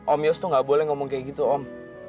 om yos tuh gak boleh ngomong kayak gitu om